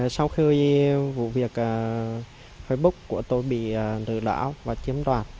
sau khi vụ việc facebook của tôi bị rửa lão và chiếm đoạt